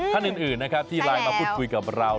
ถ้าหนึ่งที่ไลน์มาพูดกับเรา